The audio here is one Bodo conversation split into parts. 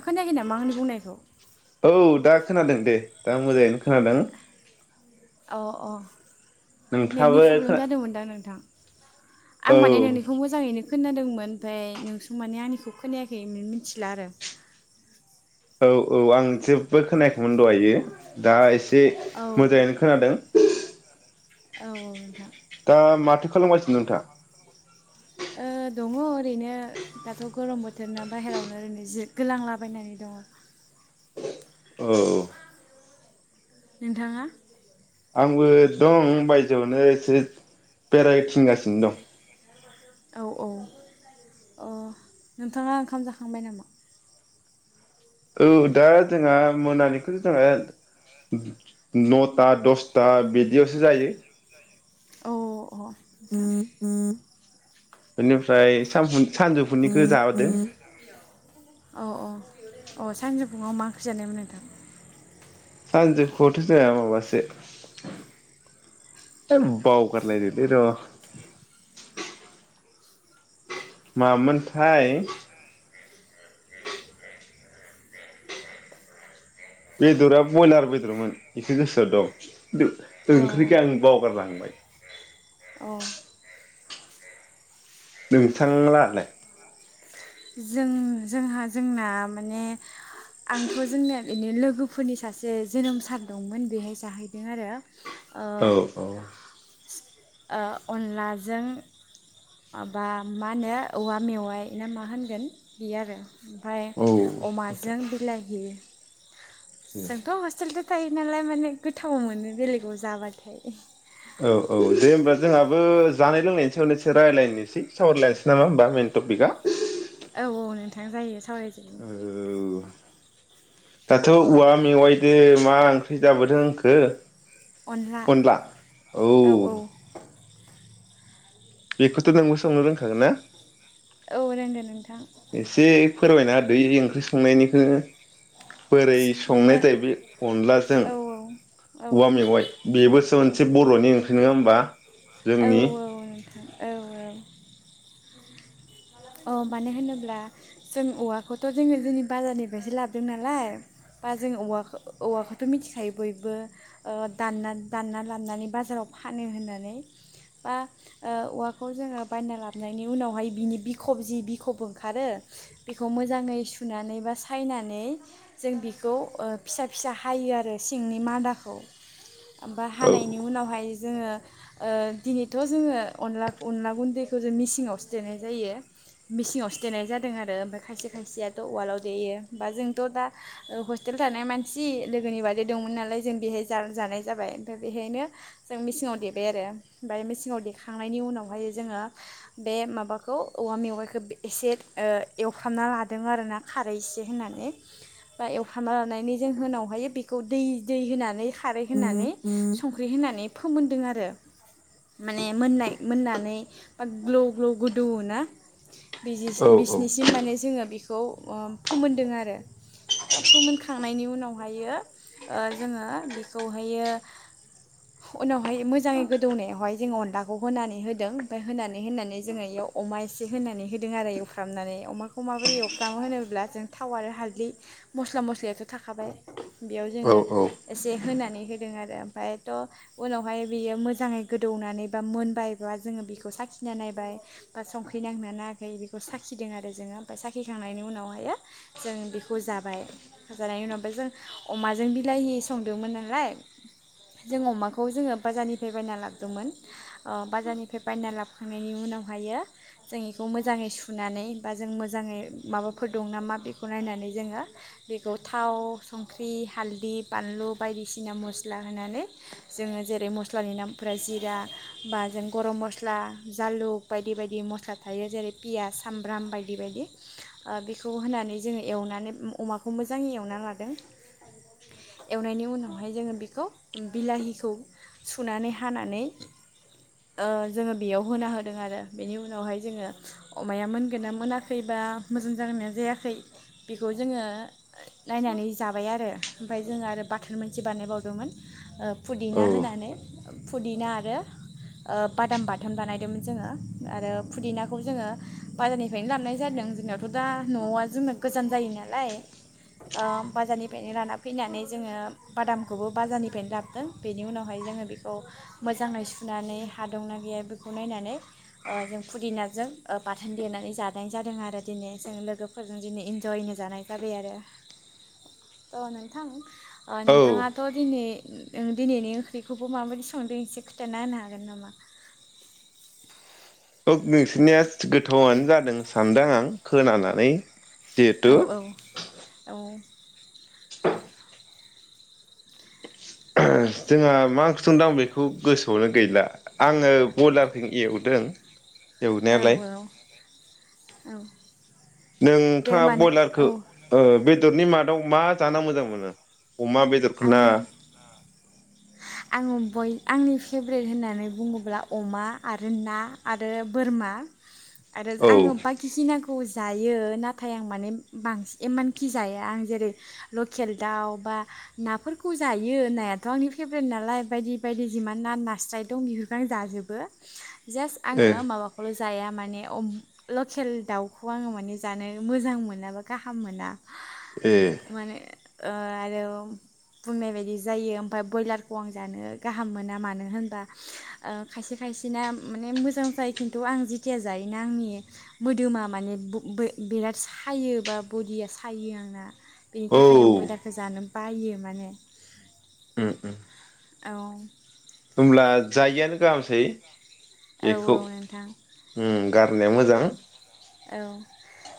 खोनायाखै नामा आंनि बुंनायखौ औ दा खोनादों दे दा मोजाङैनो खोनादों अ अ नेटनि नोंथाङाबो खोना प्रब्लेम जादोंमोनदां नोंथां आं औ माने नोंनिखौ मोजाङैनो खोनादोंमोन ओमफ्राय नोंसो माने आंनिखौ खोनायाखै मिथिला आरो औ औ आं जेबो खोनायाखैमोन दहायो दा एसे औ [unintelligible] मोजाङैनो खोनादों औ औ नोंथां दा माथो खालामगासिनो नोंथां ओ‌ दङ ओरैनो दाथ गरम बोथोरना बाहेरावनो ओरैनो जि गोलांला बायनानै दङ औ औ। नोंथाङा? आंबो दं बायजोआवनो एसे बेरायथिंगासिनो दं। औ औ। अ नोंथाङा ओंखाम जाखांबाय नामा? औ दा जोंहा मोनानिखौ जोंहा न ता दस दस्था बिदियावसो जायो। औ अ बिनिफ्राय सानजु सानजौफुनिखौ जाहोबोदो। औ अ सानजौफुआव मा ओंख्रि जानायमोन नोंथां? सानजौफुथ' जोंङा माबासो है बावगारलायदोलै र' मामोनथाय? बेदरा बयलार बेदरमोन। एखो गोसोआव दं ओ औ ओंख्रिखो आं बावगारलांबाय। औ नोंथां लांहालाय? जों जोंहा जोंना माने आंथ' जोंनिया बेनो लोगोफोरनि सासे जोनोम सान दंमोन बेहाय जाहैदों आरो ओ औ औ। ओ अनलाजों माबा मा होनो औवा मेवाइ ना मा होनगोन? बे आरो। ओमफ्राय औ अमाजों बिलाहि। जोंथ' हस्टेल थायो नालाय माने गोथाव मोनो बेलेगाव जाबाथाय। औ औ दे होबा जोंहाबो जानाय लोंनायनि सायावनो एसे रायज्लायनोसै सावरायलायनोसै नामा होनोमबा मैन टपिकआ? औ औ नोंथां जायो। सावराय जायो। औ दाथ' औवा मेवआइदो मा ओंख्रि जाबोदों होनखो अनला औ औ। बेखौथ' नोंबो संनो रोंखागोन ना? औ रोङो नों एसे फोरमायना होदो इ' ओंख्रि संनायनिखौनो बोरै माने संनाय जायो अनलाजों औ औ औवा मेवआइ बेबोसो औ मोनसे बर'नि ओंख्रि नङा हो बा औ औ नोंथां औ औ। अ मानो होनोब्ला जों औवाखौथ' जोङो जोंनि बाजारनिफ्रायसो लाबोदों नालाय। बा जोङो औवा खौऔवाखौथ' मिथिखायो बयबो। ओ दानना दानना लाबनानै बाजाराव फानो होननानै बा ओ औवाखौ जोङो बायना लाबनि उनावहाय बिनि बिखब जि बिखब ओंखारो बेखौ मोजाङै सुनानै बा सायनानै जों बेखौ ओ फिसा फिसा हायो आरो सिंनि मादाखौ। आफाइ औ हानायनि उनावहाय जोङो ओ दिनैथ' जोङो अनला अनला गुन्दैखौ जों मिसिंआवसो देनाय जायो। मेसिंयावसो देनाय जादों आरो ओमफाय खायसे खायसेयाथ' उवालाव देयो बा जोंथ' दा हस्टेल थानाय मानसि लोगोनि बारदे दंमोन नालाय जों बेहाय जानाय जाबाय ओमफ्राय बेहायनो जों मेसिङाव देबाय आरो ओमफ्राय मेसिङाव देखांनायनि उनावहाय जोङो बे माबाखौ औवा मेवाइखौ एसे एवफ्रामना लादों आरो ना खारै एसे होनानै बा एवफ्रामना लानायनि जोंहनावहाय बेखौ दै दै होनानै खारै होनानै संख्रि होनानै फोमोनदों आरो माने मोननाय मोननानै बा ग्लौ ग्लौ गोदौवो ना औ बिजि-बिसिनिसिम माने जोङो बेखौ ओ-फोमोनदों आरो बा फोमोनखांनायनि उनावहायो ओ-जोङो बेखौहायो उनावहाय मोजाङै गोदौनायावहाय जोङो अनलाखौ होनानै होदों ओफाय होनानै होनानै जोङो बेयाव अमा। एसे होनानै होदों आरो एवफ्रामनानै अमाखौ माबोरै एवफ्रामो होनोब्ला जों थाव आरो हालदै मस्ला मसलिथ' थाखाबाय बेयाव औ जोङो औ एसे होनानै होदों आरो ओमफ्रायथ' उनावहाय बेयो मोजाङै गोदौनानै बा मोनबाय बा जोङो बेखौ साखिना नायबाय बा संख संख्रि नांदों ना नाङाखै बेखौ साखिदों आरो जोङो ओमफ्राय साखिखांनायनि उनावहायो जों बेखौ जाबाय जानायनि उनाव जों अमाजों बिलाहि संदोंमोन नालाय जों अमाखौ जोङो बाजारनिफ्राय बायना लाबोदोंमोन ओ- बाजारनिफ्राय बायना लाबोखांनायनि उनावहायो। जों इखौ मोजाङै सुनानै बा जों मोजाङै माबाफोर दं नामा बेखौ नायनानै जोङो बेखौ थाव संख्रि हालदै बानलु बायदिसिना मस्ला होनानै जोङो जेरै मस्लानि नामफोरा जिरा बा जों गरम मस्ला जालुख बायदि बायदि। बिदि मस्ला थायो जेरै पियास सामब्राम बायदि बायदि ओ- बेखौ होनानै जोङो एवनानै अमाखौ मोजाङै एवना लादों एवनायनि उनावहाय जोङो बेखौ बिलाहिखौ सुनानै हानानै ओ-जोङो बेयाव होना होदों आरो। बेनि उनावहाय जोङो अमाया मोनगोन ना मोनाखै बा मोजां जागोना जायाखै बेखौ जोङो नायनानै जाबाय आरो ओमफाय जोङ आरो बाथोन मोनसे बानायबावदोंमोन। औ फुदिना होनानै। फुदिना आरो बादाम ओ-बाथोन बानायदोंमोन जोङो। आरो फुदिनाखौ जोङो बाजारनिफ्रायनो लाबोनाय जादों जोंनायावथ' दा न'आ जोंनो गोजान जायो नालाय ओ-बाजारनिफ्रायनो लाना फैनानै जोङो बादामखौबो बाजारनिफ्रायनो लाबोदों बेनि उनावहाय जोङो बेखौ मोजाङै सुनानै हा दंना गैया बेखौ नायनानै। ओ जों फुदिनाजों ओ-बाथोन देनानै जानाय जादों आरो दिनै जों लोगोफोरजों दिनै इन्जयनो जानाय जाबाय आरो ओ नोंथां। औ ओ-नोंथाङाथ' दिनै। दिनैनि ओंख्रिखौबो माबायदि संदों एसे खिनथाना होनो हागोन नामा? नोंसिरनिया गोथावनो जादों सानदों आं खोनानानै। जिहेथु औ औ औ। जोंहा मा ओंख्रि सोंदों आं बेखौ गोसोआवनो गैला आङो बयलारजों एवदों। एवनायालाय औ औ औ। दे नोंथाङा होमबा नों बयलारखौ औ ओ- बेद बेदरनि मादाव मा जाना मोजां मोनो? अमा बेदरखना? आं आङो बय आंनि फेभरेट होननानै बुङोब्ला अमा आरो ना आरो बोरमा। आरो औ आङो बाखिखिनाखौ जाय यो नाथाय आं माने बांसिन इमानखि जाया आं जेरै लकेल दाउ बा। नाफोरखौ जायो नायाथ' आंनि फेब्रेट नालाय बायदि बायदि जिमान ना नास्राय दं बेफोरखौ आं जाजोबो। जास्ट आङो ए माबा खौल'। जाया माने लकेल दाउखौ आङो माने जानो मोजां मोना बा गाहाम मोना। ए माने। ओ आरो। बुंनाय बायदि जायो ओमफाय ब्रयलारखौ आं जानो गाहाम मोना मानो होनबा ओ-खायसे खायसेना माने मोजां जायो खिन्थु आं जेथिया जायोना आंनि मोदोमा माने बिराद सायो बा बदिया सायो आंना। बेनि औ थाखाय आं बयलारखौ जानो। बायो। माने। ओम ओम। औ। होमब्ला जायैआनो गाहामसै। औ बेखौ नोंथां उम गार नाया मोजां। औ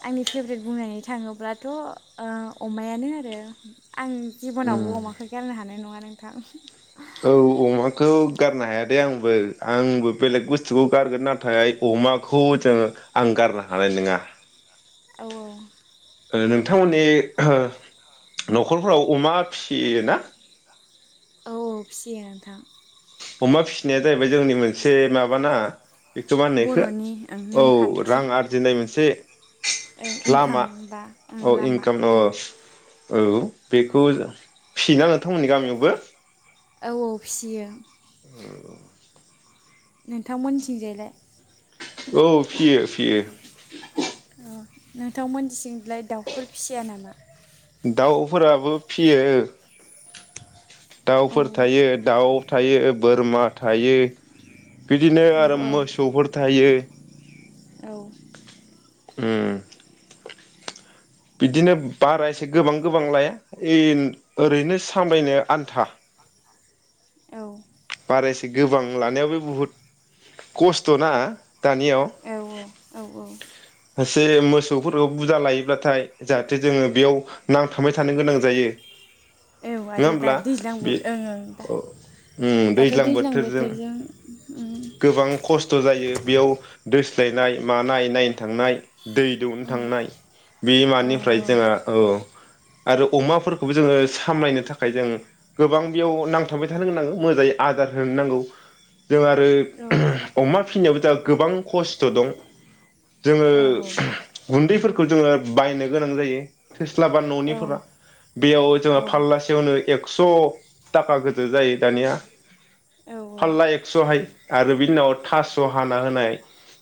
आंनि फेभ्रेट बुंनानै थाङोब्लाथ' ओ-अमायानो आरो। आं उम जिब'नावबो अमाखौ गारनो हानाय नङा। नोंथां औ अमाखौ गारनो हाया दे आंबो आंबो बेलेग बुस्थुखौ गारगोन नाथाय अमाखौ जों आं गारनो हानाय नोङा। औ औ ओ नोंथांमोननि नखरफोराव अमा फिसियो ना? औ फिसियो नोंथां। अमा फिसिनाया जाहैबाय जोंनि मोनसे माबाना? इटु मान इखो बर'नि ओं औ रां आरजिनाय मोनसे ओइ लामा इनकाम बा उम औ लामा इनकाम औ औ बेखौ फिसियोना नोंथांमोननि गामियावबो औ औ फिसियो। औ नोंथांमोनथिंजायलाय? औ फिसियो फिसियो। अ नोंथांमोनथिंलाय दाउफोर फिसिया नामा? दाउफोराबो फियो। औ दाउफोर थायो दाउ थायो बोरमा थायो। बिदिनो आरो औ मोसौफोर थायो। औ उम बिदिनो बारा एसे गोबां गोबां लाया ऐ ओरैनो सामलायनो आन्था औ आरो एसे गोबां लानायाबो बुहुत खस्थना दानियाव औ औ एसे मोसौफोरखौ बुरजा लायोब्लाथाय जाहाथे जोङो बेयाव नांथाबबाय थानो गोनां जायो। औ नङा आरो दा होमब्ला दैज्लां बे बोथोर ओं ओं दा ओ उम दैज्लां बोथोरजों उम गोबां खसथ जायो बेयाव दोज गायनाय मानाय नाय थांनाय दै दौनो उम थांनाय बे औ मानिफ्राय जोंहा औ आरो अमाफोरखौबो जोङो सामलायनो थाखाय जों गोबां बेयाव नांथाबबाय थानो नांगौ मोजाङै आदार होनो नांगौ। जों आरो औ अमा फिसिनायावबो दाब गोबां खस्थ दं। जोङो औ गुन दैफोरखौ जोङो बायनो गोनां जायो। थोस्लाबा ननिफोरा बेयाव जोंङो फाललासेयावनो एक स थाखा गोजो जायो दानिया फालला एक्स'हाय आरो बिनि उनाव थास' हाना होनाय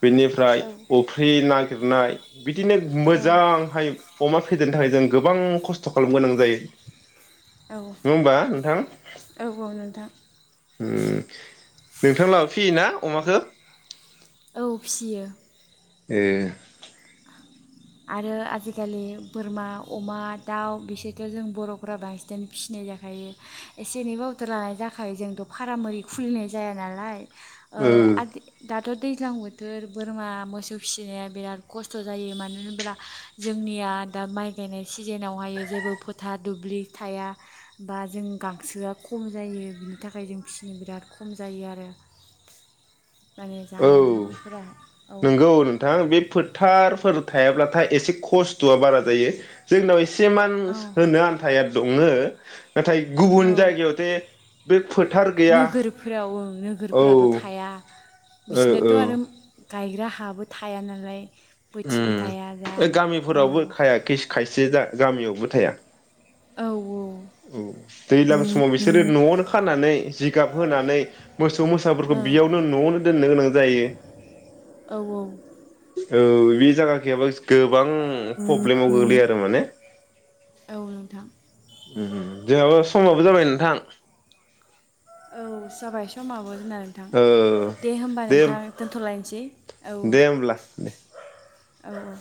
बेनिफ्राय अफ्रि नागिरनाय। बिदिनो औ मोजांहाय अमा फेदेरनो थाखाय जों गोबां खस्थ' खालामनो गोनां जायो। औ नङा होमबा नोंथां औ औ नोंथां उम नोंथां लाहाबो फियोना अमाखौ? औ फियो। ए आरो आजिखालि बोरमा अमा दाउ बिसोरथ' जों बर'फोरा बांसिनानो फिसिनाय जाखायो एसे एनै बावदार लानाय जाखायो जोंथ' फारा रै खुलिनाय जाया नालाय। ओ आ दि दा थ' दैज्लां बोथोर बोरमा मोसौ फिसिनाया बिराद खस्थ' जायो मानो होन ब्ला जोंनिया दा माइ गायनाय सिजोनावहायो जेबो फोथार दुब्लि थाया बा जों गांसोआ खम जायो बिनि थाखाय जों फिसिनो बिराद खम जायो आरो। माने औ जानाय लोंनायफोरा औ नोंगौ नोंथां बे फोथारफोर थायाब्लाथाय एसे खस्थ' बारा जायो जोंनाव ए सेमान औ होनो आन्थाया दंङो। नाथाय गुबुन औ जायगायावथे बे फोथार गैया नोगोरफोराव ओं औ। नोगोरफोरावथ' थाया औ बिसिनाथ' औ आरो गायग्रा हाबो थाया नालाय। बोथिबो उम थाया जा ओ औ गामिफोरावबो खाया खायसे दा गामियावबो थाया। औ औ औ दैयलां समाव बिसोरो न'आवनो खानानै जिगाब होनानै मोसौ मोसाफोरखौ बेयावनो न'आवनो दोननो गोनां जायो। औ औ बे जागाखैयाबा [unintelligible] गोबां प्रब्लेमाव गोग्लैयो आरो माने औ नोंथां। उम उम उम जोंहाबो समाबो जाबाय नोंथां। औ जाबाय समाबो जोंना नोंथां ओ दे होमबा नोंथां दोनथ'लायनोसै औ दे होमब्ला दे औ। औ